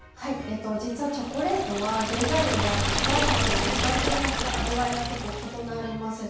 実はチョコレートは原材料であるカカオ豆の産地によって味わいが結構、異なります。